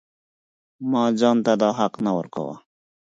ما ځان ته دا حق نه ورکاوه.